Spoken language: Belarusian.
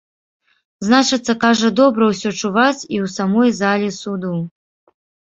Значыцца, кажа, добра ўсё чуваць і ў самой залі суду.